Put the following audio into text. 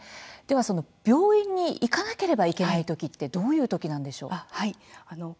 では、病院に行かなければいけないときはどういうときですか。